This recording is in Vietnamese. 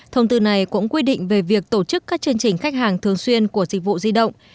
thông tư này cũng quy định về việc tổ chức các chương trình khách hàng thường xuyên của dịch vụ di động